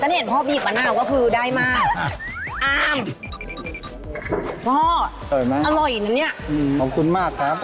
ฉันเห็นพ่อบีบมาหน้าก็คือได้มากอ้าวพ่ออร่อยนะเนี่ยอืมขอบคุณมากครับ